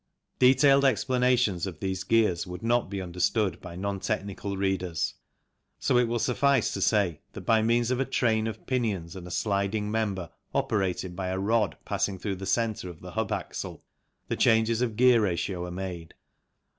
Detailed explanations of these gears would not be understood by non technical readers, so it will suffice to say that by means of a train of pinions and a sliding member operated by a rod passing through the centre of the hub axle, the changes of gear ratio are made.